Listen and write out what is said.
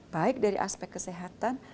baik dari aspek kesehatan